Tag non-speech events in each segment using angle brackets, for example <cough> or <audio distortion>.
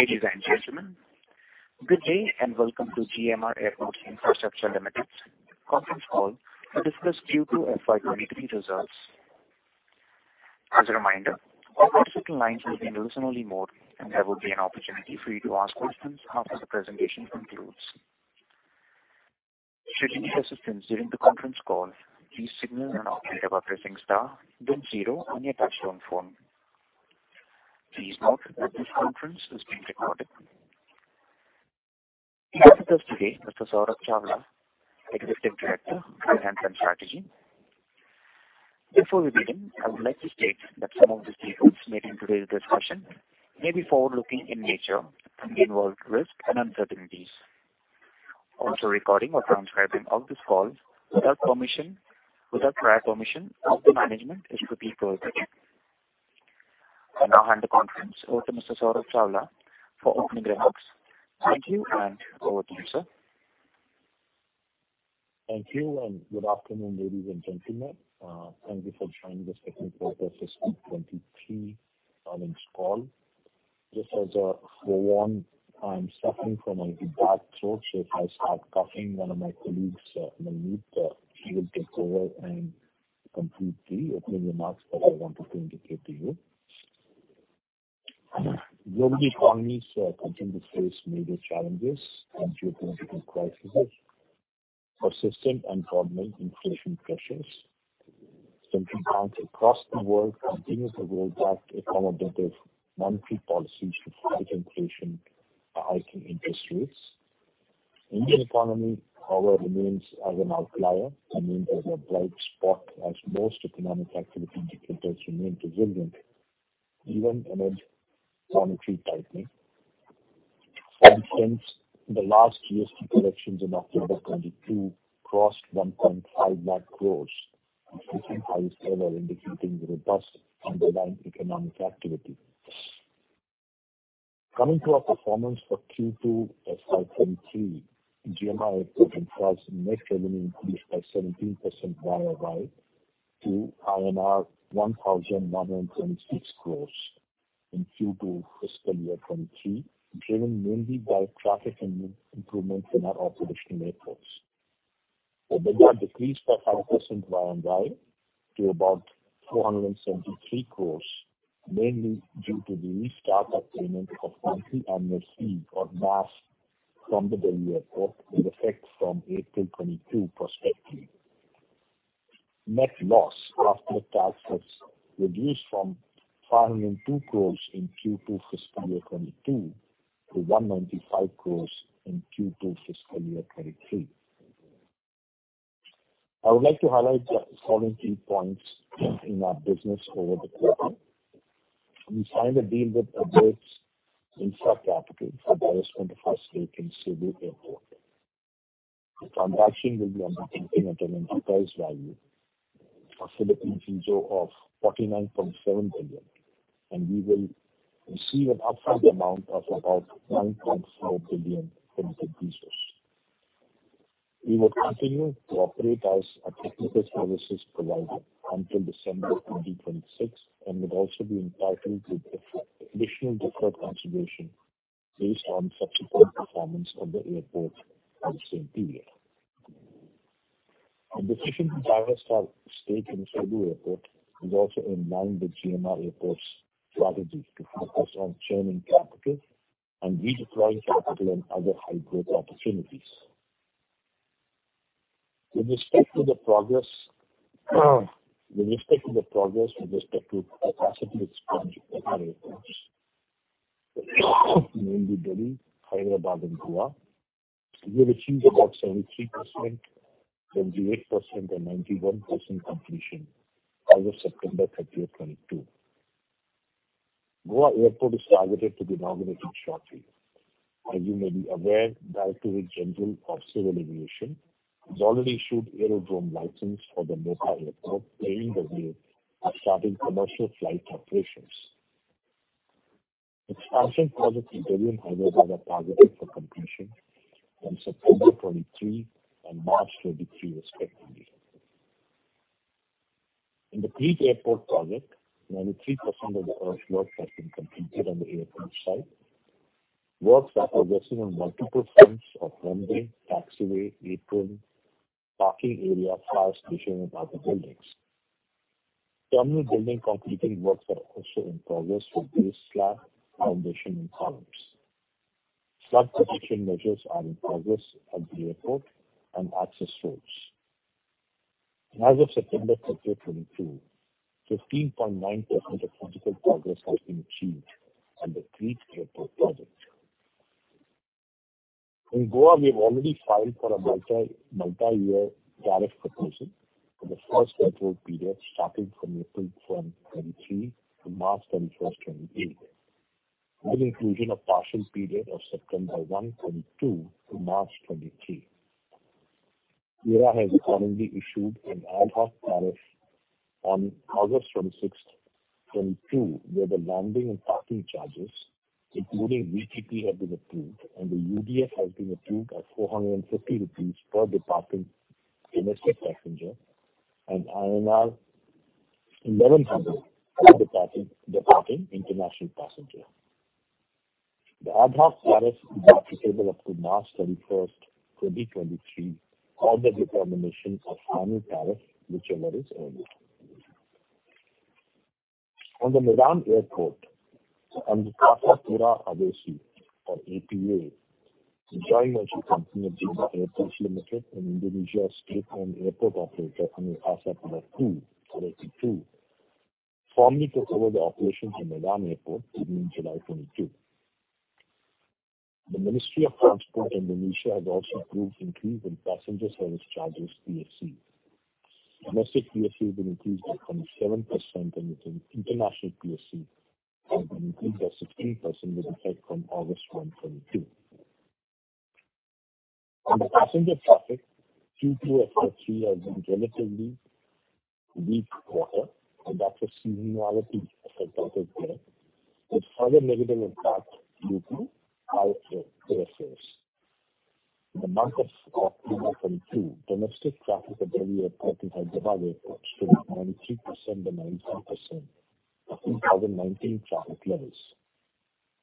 Ladies and gentlemen, good day, and welcome to GMR Airports Infrastructure Limited conference call to discuss Q2 FY 2023 results. As a reminder, all participant lines will be in listen-only mode, and there will be an opportunity for you to ask questions after the presentation concludes. Should you need assistance during the conference call, please signal an operator by pressing star then zero on your touchtone phone. Please note that this conference is being recorded. With us today, Mr. Saurabh Chawla, Executive Director, Finance and Strategy. Before we begin, I would like to state that some of the statements made in today's discussion may be forward-looking in nature and involve risks and uncertainties. Also, recording or transcribing of this call without prior permission of the management is to be avoided. I now hand the conference over to Mr. Saurabh Chawla for opening remarks. Thank you, and over to you, sir. Thank you, and good afternoon, ladies and gentlemen. Thank you for joining this second quarter fiscal 2023 earnings call. Just as a forewarn, I'm suffering from a bad throat, so if I start coughing, one of my colleagues, Navneet, he will take over and complete the opening remarks that I wanted to indicate to you. Global economies continue to face major challenges and geopolitical crises, persistent and broadening inflation pressures. Central banks across the world continue to roll back accommodative monetary policies to fight inflation by hiking interest rates. Indian economy, however, remains as an outlier and remains as a bright spot as most economic activity indicators remain resilient even amid monetary tightening. Since the last GST collections in October of 2022 crossed 1.5 lakh crores, which is the second highest ever, indicating robust underlying economic activity. Coming to our performance for Q2 FY 2023, GMR Airports' net revenue increased by 17% YOY to INR 1,126 crores in Q2 fiscal year 2023, driven mainly by traffic improvement in our operational airports. EBITDA decreased by 5% YOY to about 473 crores, mainly due to the restart of payment of monthly annual fee or MAF from the Delhi Airport with effect from April 2022 prospectively. Net loss after tax has reduced from 502 crores in Q2 fiscal year 2022 to 195 crores in Q2 fiscal year 2023. I would like to highlight the following key points in our business over the quarter. We signed a deal with Aboitiz InfraCapital Inc. for divestment of our stake in Cebu Airport. The transaction will be undertaken at an enterprise value for Philippine peso of 49.7 billion, and we will receive an upfront amount of about 9.4 billion Philippine pesos. We will continue to operate as a technical services provider until December 2026 and would also be entitled to additional deferred consideration based on subsequent performance of the airport for the same period. Our decision to divest our stake in Cebu Airport is also in line with GMR Airports' strategy to focus on churning capital and redeploying capital in other high-growth opportunities. With respect to the progress with respect to capacity expansion of our airports, mainly Delhi, Hyderabad and Goa, we have achieved about 73%, 78% and 91% completion as of September 30, 2022. Goa Airport is targeted to be inaugurated shortly. As you may be aware, Director General of Civil Aviation has already issued aerodrome license for the Mopa Airport, paving the way of starting commercial flight operations. Expansion projects in Delhi and Hyderabad are targeted for completion by September 2023 and March 2023 respectively. In the Crete Airport project, 93% of the earthwork has been completed on the airport site. Works are progressing on multiple fronts of runway, taxiway, apron, parking area, fire station and other buildings. Terminal building concreting works are also in progress for base slab, foundation and columns. Flood protection measures are in progress at the airport and access roads. As of September 30, 2022, 15.9% of physical progress has been achieved on the Crete Airport project. In Goa, we have already filed for a multi-year tariff proposal for the first control period starting from April 1, 2023 to March 31, 2028, with inclusion of partial period of September 1, 2022 to March 2023. AERA has currently issued an ad hoc tariff on August 26, 2022, where the landing and parking charges, including VTP, have been approved, and the UDF has been approved at 450 rupees per departing domestic passenger and INR 11,000 departing international passenger. The ad hoc tariff is applicable up to March 31, 2023, or the determination of final tariff, whichever is earlier. On the Medan Airport and the PT Angkasa Pura Aviasi or APA, a joint venture company of GMR Airports Limited and Indonesia's state-owned airport operator PT Angkasa Pura II or AP2, formally took over the operations in Medan Airport in July 2022. The Ministry of Transport Indonesia has also approved increase in passenger service charges, PSC. Domestic PSC has been increased by 27% and the international PSC has been increased by 16% with effect from August 1, 2022. On the passenger traffic, Q2 of FY 2023 has been relatively weak quarter, and that's a seasonality effect out of there, with further negative impact due to higher air fares. In the month of October 2022, domestic traffic at Delhi Airport and Hyderabad Airport stood at 93% and 95% of 2019 traffic levels,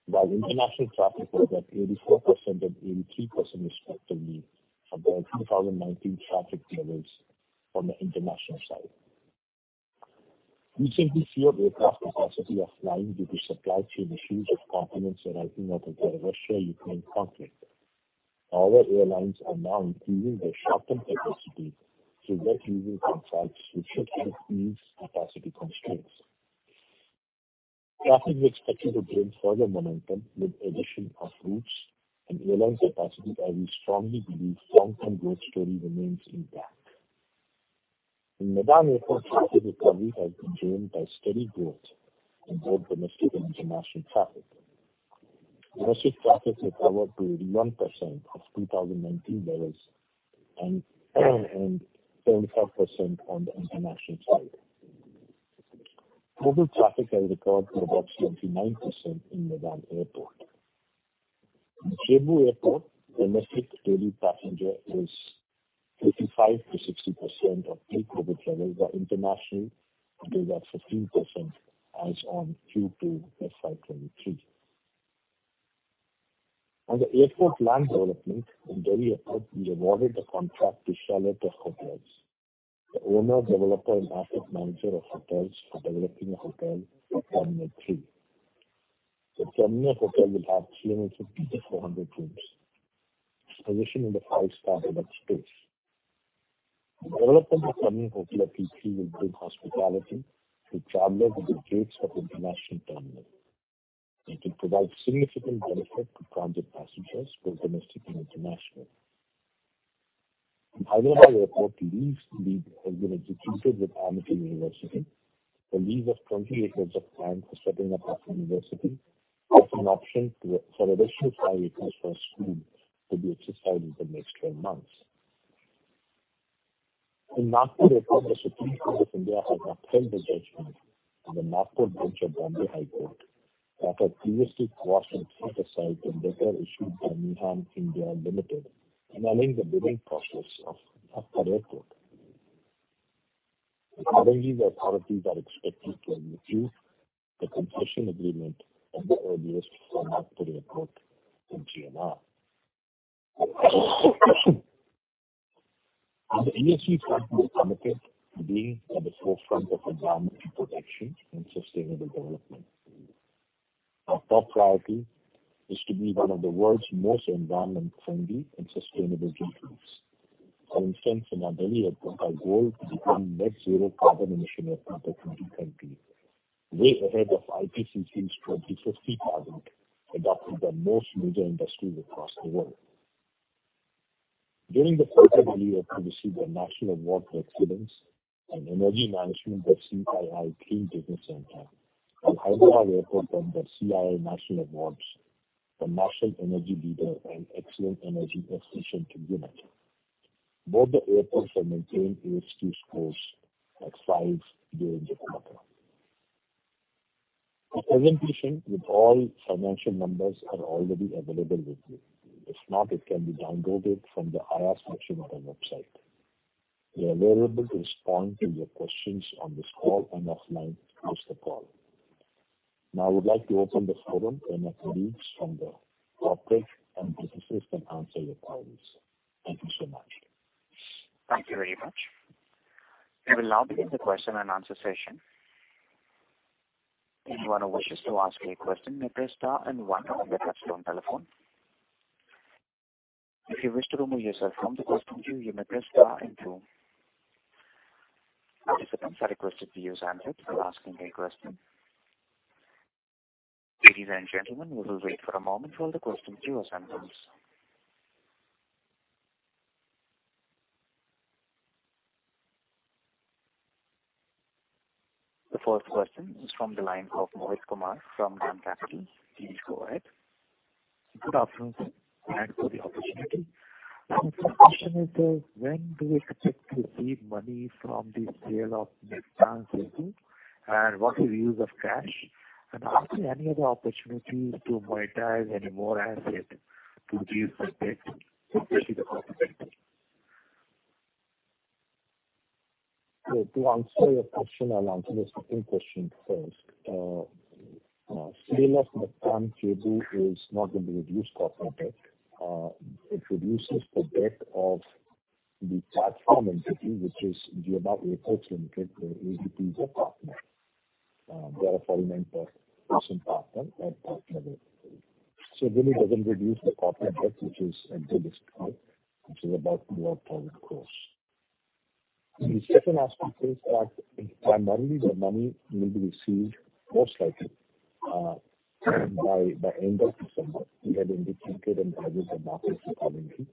while international traffic was at 84% and 83% respectively of 2019 traffic levels on the international side. Recently fueled aircraft capacity are flying due to supply chain issues of components arising out of the Russia-Ukraine conflict. Our airlines are now increasing their short-term capacity through wet leasing contracts, which should help ease capacity constraints. Traffic is expected to gain further momentum with addition of routes and airline capacity, and we strongly believe long-term growth story remains intact. In Medan Airport, traffic recovery has been driven by steady growth in both domestic and international traffic. Domestic traffic recovered to 81% of 2019 levels and 75% on the international side. Total traffic has recovered to about 79% in Medan Airport. In Cebu Airport, domestic daily passenger is 55%-60% of pre-COVID levels, while international recovered at 15% as on Q2 FY 2023. On the airport land development, in Delhi Airport we awarded the contract to Chalet Hotels, the owner, developer and asset manager of hotels for developing a hotel at Terminal 3. The terminal hotel will have 300-400 rooms. It's positioned in the five-star deluxe space. The development of terminal hotel at T3 will bring hospitality to travelers at the gates of international terminal, and it will provide significant benefit to transit passengers for domestic and international. In Hyderabad Airport, the lease deed has been executed with Amity University for lease of 20 acres of land for setting up of university with an option for additional 5 acres for a school to be exercised in the next 12 months. In Nagpur Airport, the Supreme Court of India has upheld the judgment of the Nagpur bench of Bombay High Court that had previously quashed and set aside the letter issued by MIHAN India Limited, annulling the bidding process of Nagpur Airport. Accordingly, the authorities are expected to execute the concession agreement at the earliest for Nagpur airport with GMR. As an ESG company committed to being at the forefront of environmental protection and sustainable development, our top priority is to be one of the world's most environment-friendly and sustainable airports. For instance, in our Delhi Airport, our goal is to become net-zero carbon emission airport by 2030, way ahead of IPCC's 2050 target adopted by most major industries across the world. During the course of the year, we received a National Award for Excellence in Energy Management by CII Clean Business Centre. The Hyderabad Airport won the CII National Awards for National Energy Leader and Excellent Energy Efficiency unit. Both the airports have maintained ASQ scores at 5 during the quarter. Our presentation with all financial numbers are already available with you. If not, it can be downloaded from the IR section of our website. We are available to respond to your questions on this call and offline post the call. Now I would like to open the forum, and my colleagues from the corporate and businesses can answer your queries. Thank you so much. Thank you very much. We will now begin the question and answer session. Anyone who wishes to ask any question may press star and one on their touchtone telephone. If you wish to remove yourself from the question queue, you may press star and two. Participants are requested to use handset when asking a question. Ladies and gentlemen, we will wait for a moment while the question queue assembles. The first question is from the line of Mohit Kumar from DAM Capital. Please go ahead. Good afternoon, and thanks for the opportunity. My first question is, when do you expect to receive money from the sale of Mactan’s Cebu and what is use of cash? Are there any other opportunities to monetize any more asset to reduce the debt, especially the corporate debt? To answer your question, I'll answer the second question first. Sale of Mactan’s Cebu is not going to reduce corporate debt. It reduces the debt of the platform entity, which is GMR Airports Limited, the ADP's partner. They are a foreign partner, recent partner at partner level. It really doesn't reduce the corporate debt, which is at Delhi International Airport Limited, which is about INR 2000-odd crores. The second aspect is that primarily the money will be received most likely by end of December. We had indicated and advised the market accordingly.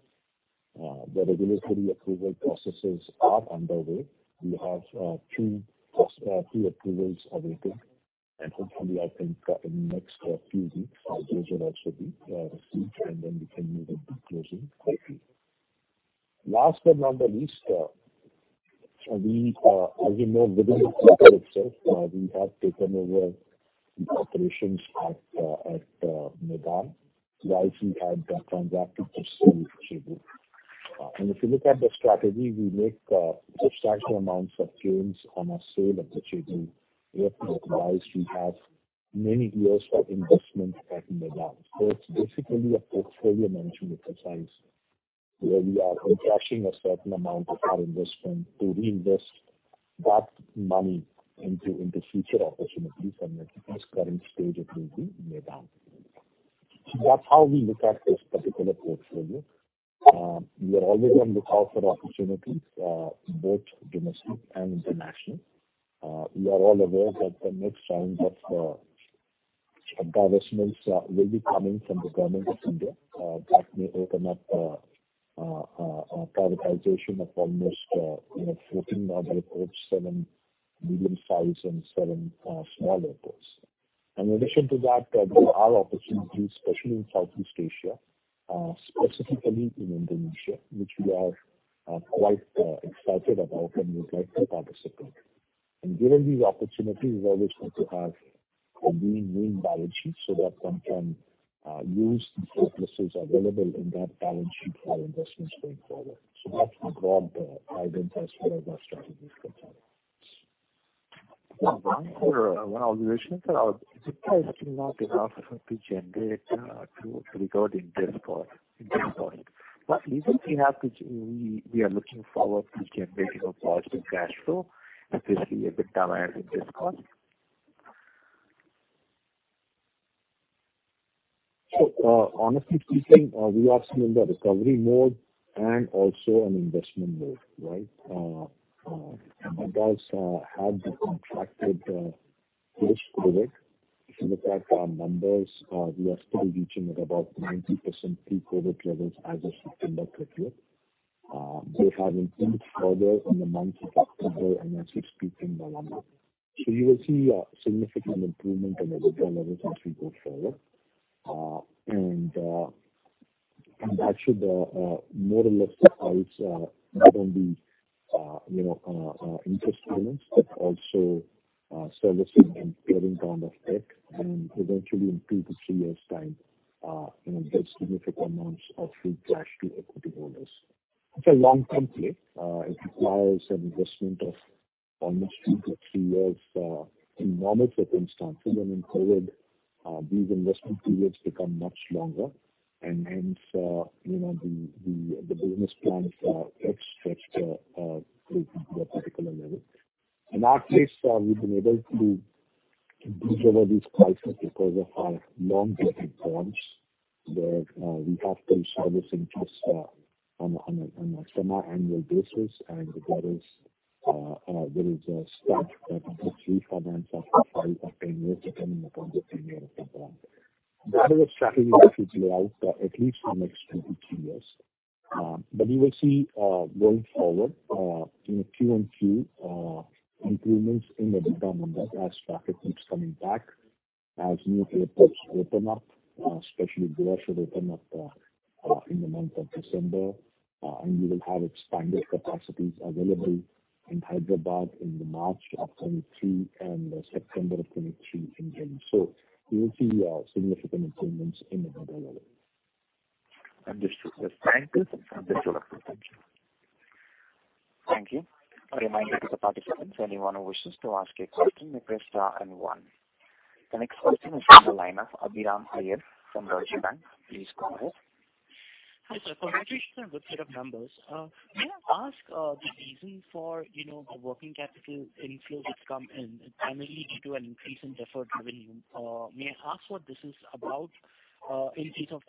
The regulatory approval processes are underway. We have two approvals awaiting, and hopefully I can cut in the next few weeks those will also be received, and then we can move into closing quickly. Last but not the least, as you know, within the quarter itself, we have taken over operations at Medan while we had the transaction to sell Cebu. If you look at the strategy, we make substantial amounts of gains on our sale of Cebu. We have to recognize we have many years of investment at Medan. It's basically a portfolio management exercise where we are encashing a certain amount of our investment to reinvest that money into future opportunities. At this current stage, it will be Medan. That's how we look at this particular portfolio. We are always on the lookout for opportunities both domestic and international. We are all aware that the next round of divestments will be coming from the government of India. That may open up a privatization of almost, you know, 14 other airports, seven medium size and seven small airports. In addition to that, there are opportunities, especially in Southeast Asia, specifically in Indonesia, which we are quite excited about and would like to participate. Given these opportunities, we always want to have a lean balance sheet so that one can use the surpluses available in that balance sheet for investments going forward. That's the broad idea as well as our strategy for tomorrow. Yeah. One other issue is that our EBITDA is still not enough to generate the required DSCR at this point. Even if we have to, we are looking forward to generating a positive cash flow, especially EBITDA and DSCR. Honestly speaking, we are still in the recovery mode and also an investment mode, right? EBITDA had contracted post-COVID. If you look at our numbers, we are still reaching at about 90% pre-COVID levels as of September 30. We have improved further in the month of October and then as we speak in November. You will see a significant improvement in the EBITDA levels as we go further. That should more or less suffice not only you know interest payments, but also servicing and paring down of debt. Eventually in two to three years' time, you know, there's significant amounts of free cash to equity holders. It's a long-term play. It requires an investment of almost two to three years in normal circumstances. In COVID, these investment periods become much longer. Hence, you know, the business plans are outstretched to a particular level. In our case, we've been able to bridge over these cycles because of our long-dated bonds, where we have been servicing just on a semi-annual basis. There is a stub that we get refinance after five or 10 years, depending upon the tenure of the bond. That is a strategy we could lay out at least for next two to three years. You will see going forward, you know, Q-on-Q improvements in the EBITDA numbers as traffic keeps coming back, as new airports open up, especially Goa should open up in the month of December. We will have expanded capacities available in Hyderabad in March 2023 and September 2023 in Delhi. You will see significant improvements in the EBITDA levels. Understood. Thank you. That's all up front. Thank you. A reminder to the participants, anyone who wishes to ask a question may press star and one. The next question is from the line of Abhiram Iyer from Deutsche Bank. Please go ahead. Hi, sir. Congratulations on good set of numbers. May I ask the reason for, you know, the working capital inflows that come in primarily due to an increase in deferred revenue. May I ask what this is about, in case of,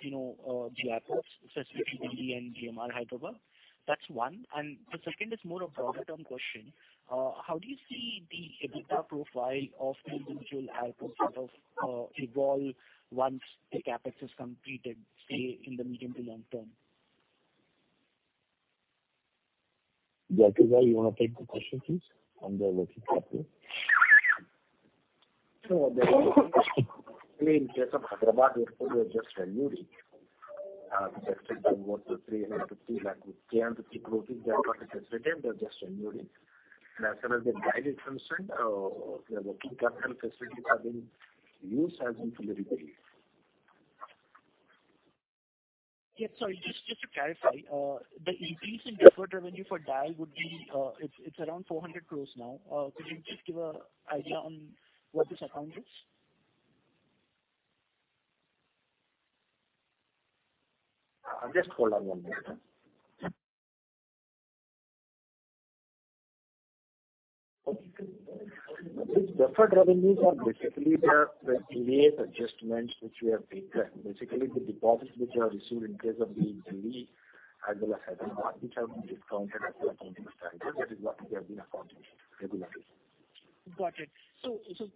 you know, the airports, specifically Delhi and GMR Hyderabad? That's one. The second is more of a broader term question. How do you see the EBITDA profile of the individual airports sort of evolve once the CapEx is completed, say, in the medium to long term? GRK Babu do you wanna take the question, please, on the working capital? The working capital mainly in case of Hyderabad Airport. <audio distortion> As far as the guidance is concerned, the working capital facilities are being used as and when required. Sorry, just to clarify, the increase in deferred revenue for DIAL would be. It's around 400 crores now. Could you just give an idea on what this account is? Just hold on one minute. These deferred revenues are basically the AS adjustments which we have taken. Basically the deposits which are received in case of the Delhi as well as Hyderabad, which have been discounted as per accounting standard. That is what we have been accounting regularly. Got it. Does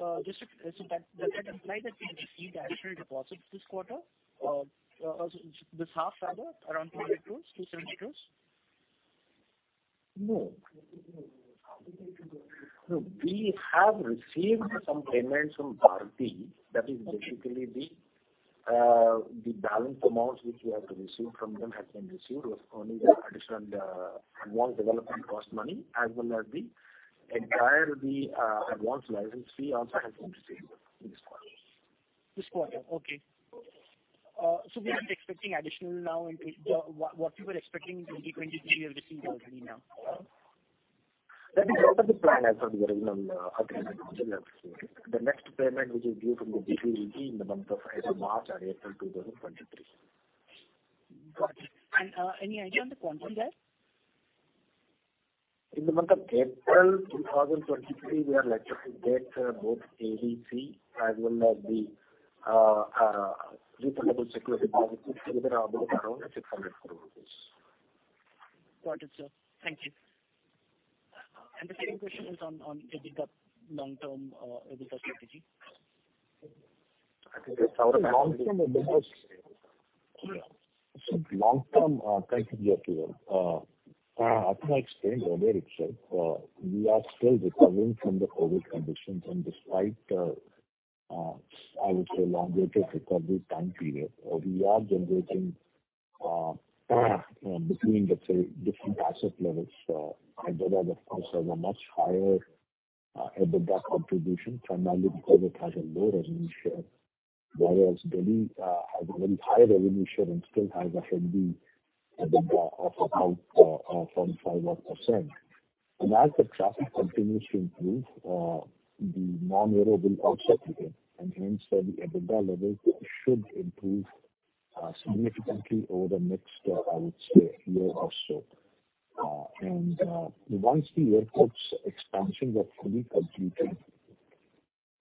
that imply that we have received the actual deposit this quarter? Or this half rather, around 200 crores, 270 crores? No. No. We have received some payments from Bharti. That is basically the balance amount which we have to receive from them has been received. Of course, only the additional advance development cost money as well as the entirety advance license fee also has been received in this quarter. This quarter, okay. What you were expecting in 2023 you have received already now? That is out of the plan as per the original agreement which we have signed. The next payment which is due from them will be in the month of either March or April 2023. Got it. Any idea on the quantum there? In the month of April 2023, we are likely to get both ADC as well as the refundable security deposit, which is around INR 600 crore. Got it, sir. Thank you. The second question is on EBITDA, long-term, EBITDA strategy. I think it's our long-term EBITDA. Long-term, thank you, yeah. As I explained earlier itself, we are still recovering from the COVID conditions. Despite, I would say longer recovery time period, we are generating between let's say different asset levels. Hyderabad of course has a much higher EBITDA contribution primarily because it has a low revenue share, whereas Delhi has a very high revenue share and still has a healthy EBITDA of about 45 odd %. As the traffic continues to improve, the non-aero will also improve. Hence the EBITDA levels should improve significantly over the next, I would say year or so. Once the airports expansion are fully completed,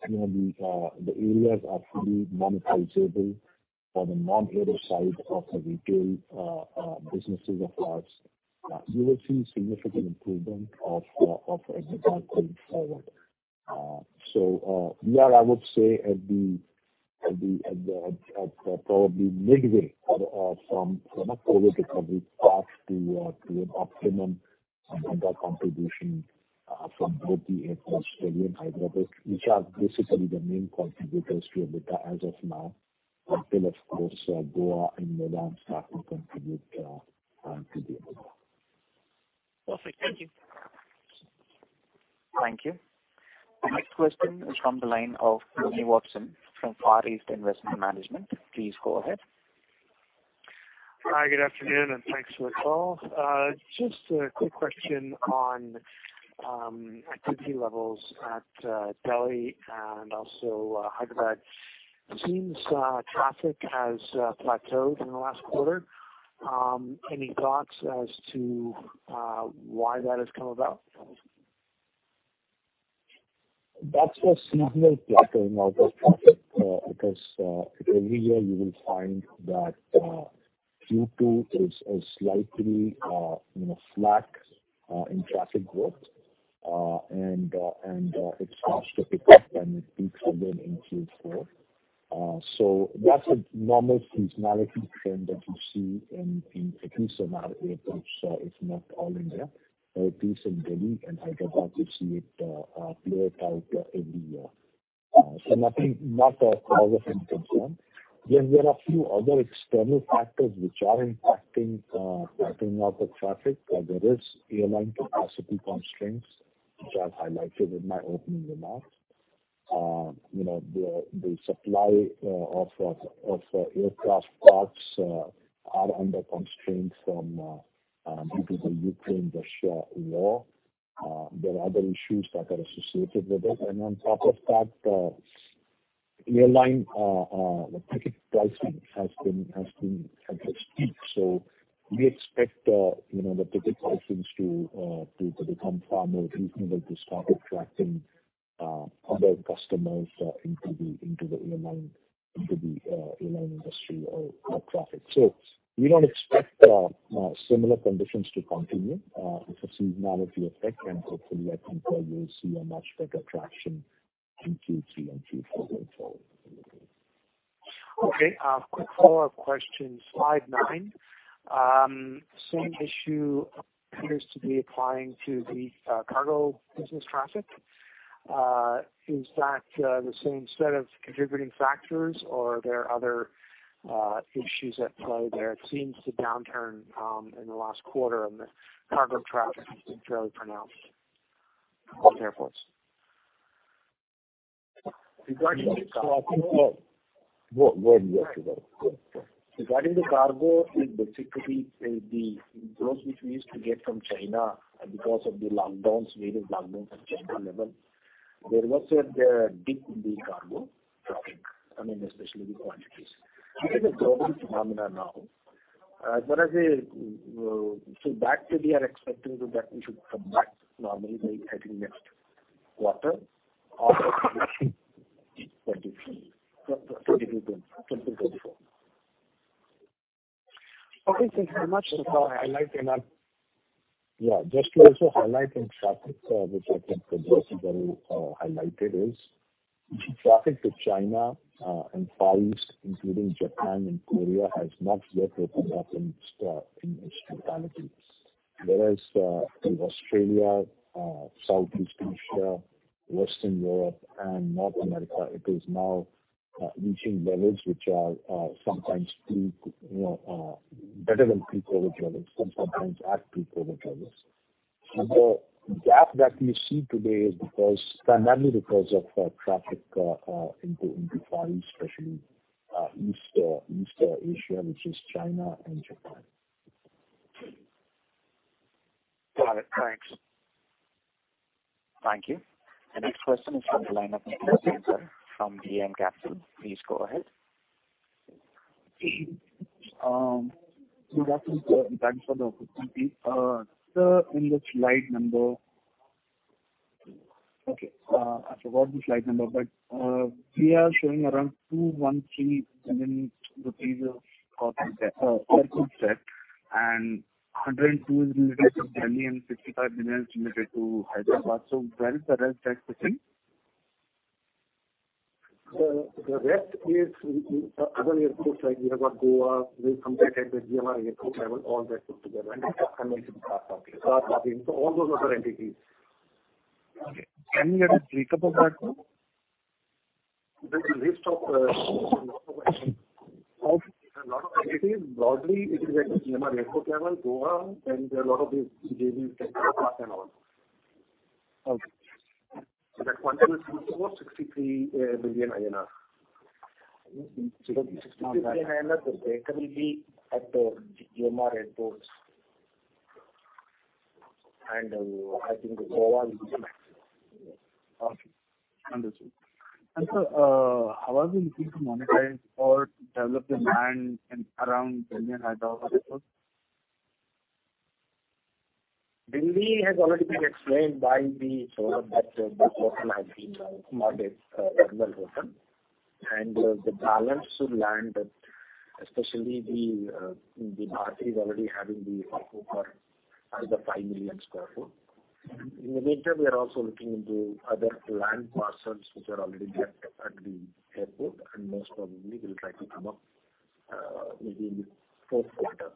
you know, the areas are fully monetizable for the non-aero side of the retail businesses of ours, you will see significant improvement of EBITDA going forward. We are, I would say, at probably midway or from a COVID recovery path to an optimum EBITDA contribution from both the airports, Delhi and Hyderabad, which are basically the main contributors to EBITDA as of now. Until, of course, Goa and Medan start to contribute to the EBITDA. Perfect. Thank you. Thank you. The next question is from the line of Tony Watson from Far East Investment Management. Please go ahead. Hi, good afternoon, and thanks for the call. Just a quick question on activity levels at Delhi and also Hyderabad. It seems traffic has plateaued in the last quarter. Any thoughts as to why that has come about? That's a seasonal plateauing of the traffic, because every year you will find that Q2 is slightly, you know, slack in traffic growth. It starts to pick up and peaks again in Q4. That's a normal seasonality trend that you see in at least some of our airports. It's not all India. At least in Delhi and Hyderabad you see it play out every year. Nothing, not a cause for concern. There are a few other external factors which are impacting, flattening out the traffic. There is airline capacity constraints, which I've highlighted in my opening remarks. You know, the supply of aircraft parts are under constraints due to the Ukraine-Russia war. There are other issues that are associated with it. On top of that, the ticket pricing has been at its peak. We expect, you know, the ticket prices to become far more reasonable to start attracting other customers into the airline industry or traffic. We don't expect similar conditions to continue the seasonality effect. Hopefully I think we'll see a much better traction in Q3 and Q4 going forward. A quick follow-up question. Slide 9. Same issue appears to be applying to the cargo business traffic. Is that the same set of contributing factors or are there other issues at play there? It seems the downturn in the last quarter on the cargo traffic has been fairly pronounced. All airports. Regarding the cargo. I think, go ahead, yes, go ahead. Regarding the cargo, it basically the inflows which we used to get from China, because of the lockdowns, various lockdowns at China level, there was a dip in the cargo traffic. I mean, especially the quantities. This is a global phenomenon now. We are expecting that we should come back normally by, I think, next quarter of 2023 to 2024. Okay, thank you very much, sir. Just to also highlight in traffic, which I think Praveen very well highlighted, is traffic to China and Far East, including Japan and Korea, has not yet opened up in its entirety. Whereas in Australia, Southeast Asia, Western Europe and North America, it is now reaching levels which are sometimes better than pre-COVID levels and sometimes at pre-COVID levels. The gap that we see today is because, primarily because of traffic into Far East, especially East Asia, which is China and Japan. Got it. Thanks. Thank you. The next question is from the line of Nikhil Abhyankar from DAM Capital. Please go ahead. Good afternoon, sir, and thanks for the opportunity. Sir, I forgot the slide number, but we are showing around 213 billion rupees of airport debt, and 102 billion is related to Delhi and 65 billion is related to Hyderabad. Where is the rest that fit in? The rest is in other airports like we have got Goa. We have completed the GMR Airport travel, all that put together. Also commercial car parking. Car parking. All those other entities. Okay. Can we get a break-up of that one? There's a list of a lot of entities. Of? A lot of entities. Broadly it is like GMR Airports, Goa, and there are a lot of these JVs like Hyderabad and all. Okay. That one will be for INR 63 billion. INR 63 billion, that will be at the GMR Airports. I think Goa will be next. Okay. Understood. Sir, how are we looking to monetize or develop the land in and around Delhi and Hyderabad airports? Delhi has already been explained that the hotel has been modest Aerotel hotel. The balance of land that especially the Delhi is already having the offer of the 5 million sq ft. In the future, we are also looking into other land parcels which are already there at the airport, and most probably we'll try to come up maybe in the fourth quarter,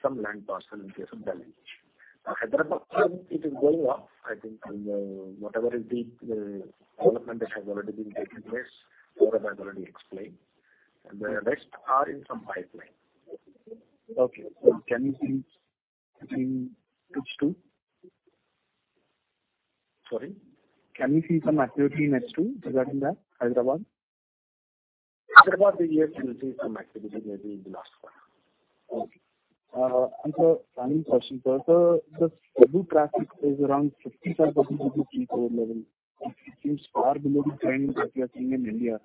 some land parcel in case of Delhi. Hyderabad, it is going on, I think in whatever is the development that has already been taking place. Saurabh Chawla has already explained. The rest are in some pipeline. Okay. Can we see in H2? Sorry? Can we see some activity in H2 regarding that, Hyderabad? Hyderabad, yes, you will see some activity maybe in the last quarter. Okay. Sir, final question, sir. Sir, the Cebu traffic is around 57% pre-COVID levels. It seems far below the trend that we are seeing in India.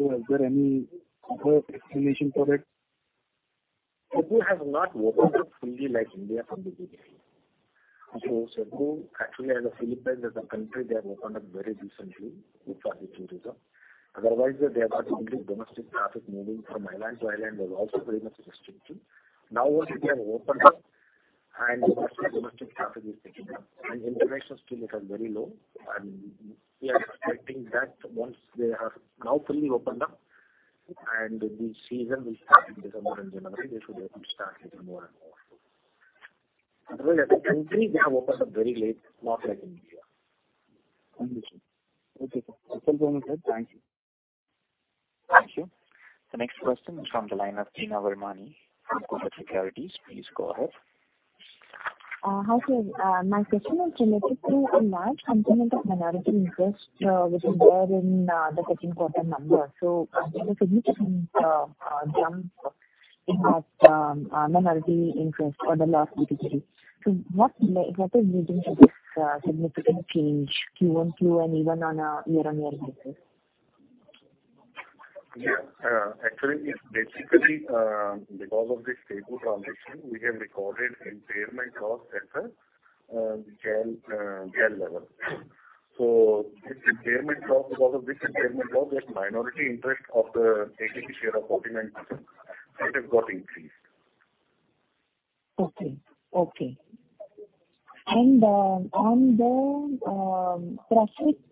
Is there any other explanation for it? Cebu has not opened up fully like India from the beginning. Cebu, actually as a Philippines, as a country, they have opened up very recently with respect to tourism. Otherwise, they have had only domestic traffic moving from island to island was also very much restricted. Now once they have opened up and domestic traffic is picking up and international still it was very low, and we are expecting that once they have now fully opened up and the season will start in December and January, they should be able to start a little more and more. Otherwise as a country, they have opened up very late, not like India. Understood. Okay, sir. Itself only, sir. Thank you. Thank you. The next question is from the line of Teena Virmani from Kotak Securities. Please go ahead. Hi, sir. My question is related to the large component of minority interest, which is there in the second quarter numbers. I think a significant jump in that minority interest for the last few quarters. What is leading to this significant change Q-on-Q and even on a year-on-year basis? Yeah. Actually, it's basically because of the stable transition we have recorded impairment loss at a GAL level. Because of this impairment cost, this minority interest of the equity share of 49%, it has got increased. Okay. On the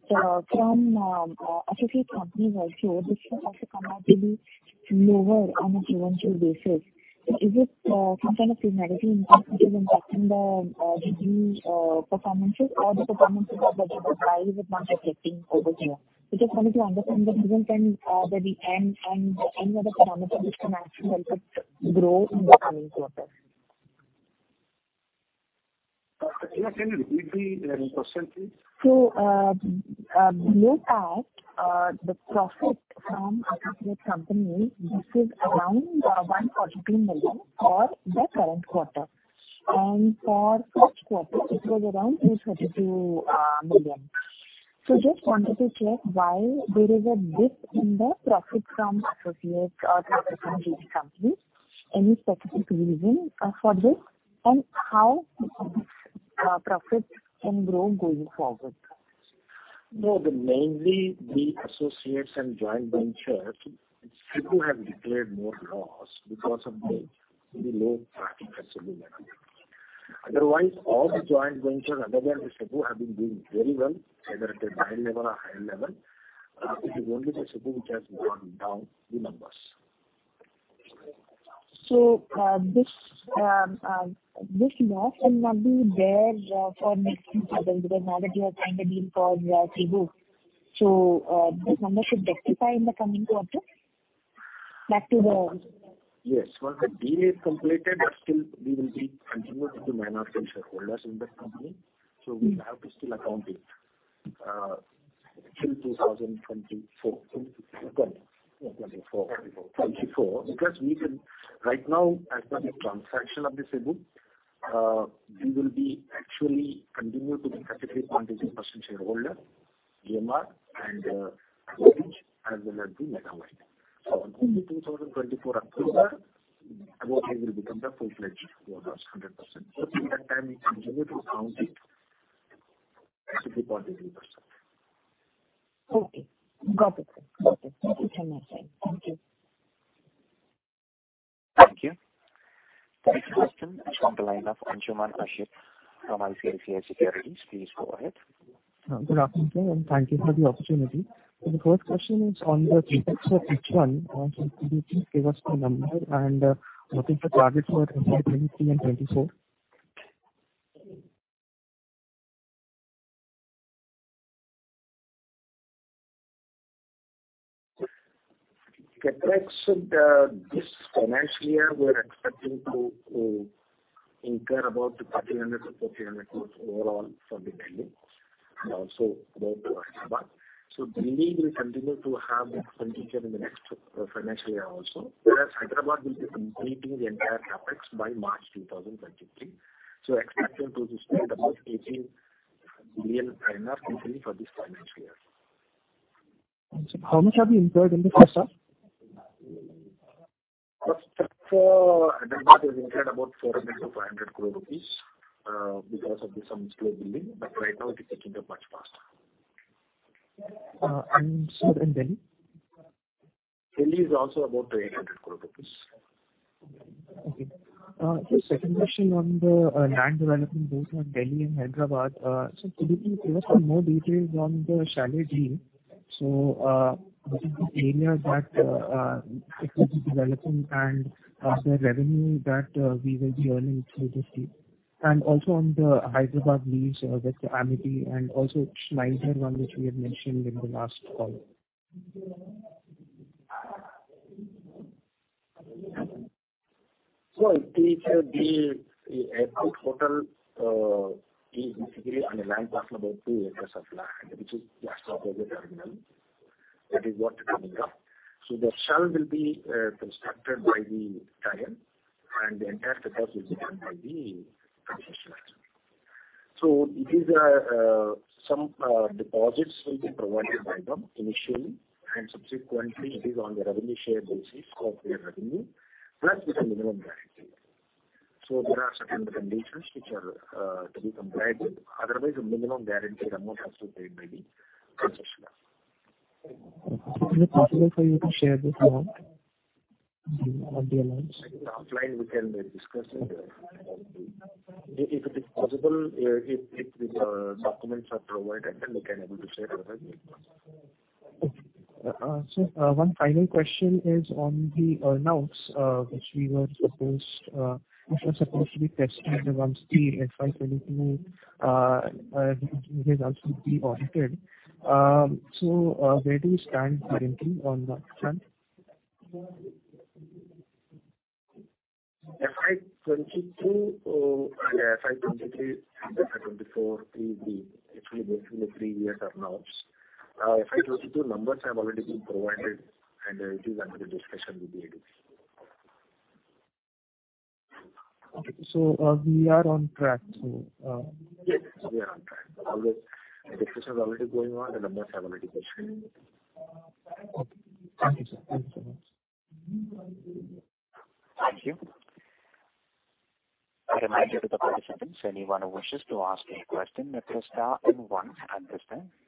traffic from associate companies also, this has also comparatively lower on a Q-on-Q basis. Is it some kind of seasonality impact which is impacting the performances or the performances are gradually rising but not reflecting over here? We just wanted to understand the reason and any other parameter which can actually help us grow in the coming quarters. Yeah, can you repeat the question, please? Look at the profit from associate companies. This is around 142 million for the current quarter. For first quarter it was around 232 million. Just wanted to check why there is a dip in the profit from associates, the joint venture companies. Any specific reason for this, and how this profit can grow going forward? No, mainly the associates and joint ventures, Cebu, have declared more loss because of the low traffic at Cebu mainly. Otherwise, all the joint ventures other than Cebu have been doing very well, whether at a minor level or higher level. It is only Cebu which has brought down the numbers. This loss will not be there for next quarter because now that you have signed a deal for Cebu, this number should rectify in the coming quarter back to the. Yes. Once the deal is completed, still we will be continuing to be minority shareholders in that company. We have to still account it till 2024. 2024. 2024. Because we can. Right now, as per the transaction of Cebu, we will actually continue to be 33.3% shareholder, GMR and Aboitiz as well as Megawide. Only 2024 October, Aboitiz will become the full-fledged owners, 100%. Till that time, we continue to account it as 33.3%. Okay. Got it. Thank you so much, sir. Thank you. Thank you. Next question is from the line of Anshuman Ashit from ICICI Securities. Please go ahead. Good afternoon, sir, and thank you for the opportunity. The first question is on the CapEx for each one. Could you please give us the number and what is the target for FY 2023 and 2024? CapEx, this financial year we're expecting to about 1,300 crores to 1,400 crores overall from Delhi and also Hyderabad. Delhi will continue to have expenditure in the next financial year also. Whereas Hyderabad will be completing the entire CapEx by March 2023. Expectation to spend about 18 billion roughly for this financial year. Sir, how much have you incurred in the first half? First half, Hyderabad has incurred about 400 crore-500 crore rupees because of some slow building, but right now it is picking up much faster. Sir, in Delhi? Delhi is also about 800 crore rupees. Okay. Sir, second question on the land development both on Delhi and Hyderabad. Could you please give us some more details on the Chalet deal? What is the area that it will be developing and the revenue that we will be earning through this deal? Also on the Hyderabad lease with Amity and also Schneider one which we had mentioned in the last call. It will be an airport hotel is basically on a land parcel about 2 acres of land, which is just opposite terminal. That is what is coming up. The shell will be constructed by the client and the entire fit-outs will be done by the concessionaire. It is some deposits will be provided by them initially, and subsequently it is on the revenue share basis of their revenue, plus with a minimum guarantee. There are certain conditions which are to be complied with. Otherwise, a minimum guaranteed amount has to be paid by the concessionaire. Okay. Is it possible for you to share this amount of the amounts? Offline, we can discuss it. If it is possible, if the documents are provided, then we can able to share with you. Okay. Sir, one final question is on the earn-outs, which were supposed to be tested once the FY 2022 results would be audited. Where do you stand currently on that front? FY 2022 or FY 2023 and FY 2024 is actually based on the three-year earn-outs. FY 2022 numbers have already been provided and it is under discussion with the ADIs. We are on track to? Yes. We are on track. All the discussions already going on, the numbers have already been shared. Okay. Thank you, sir. Thanks so much. Thank you. A reminder to the participants, anyone who wishes to ask a question may press star and one on their phone. Participants to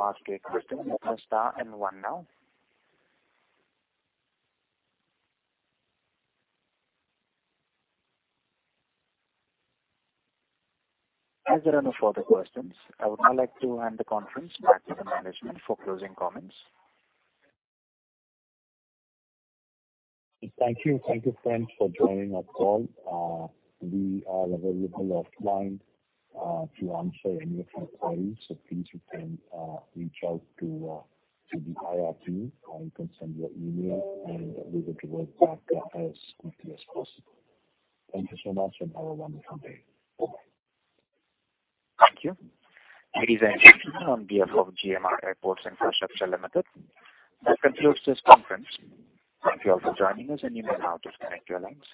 ask a question may press star and one now. As there are no further questions, I would now like to hand the conference back to the management for closing comments. Thank you. Thank you friends for joining our call. We are available offline to answer any of your queries. Please you can reach out to the IR team or you can send your email and we will get you right back as quickly as possible. Thank you so much and have a wonderful day. Bye-bye. Thank you. This is Anshuman on behalf of GMR Airports Infrastructure Limited. That concludes this conference. Thank you all for joining us, and you may now disconnect your lines.